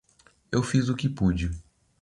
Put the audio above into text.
Eu fiz o que pude.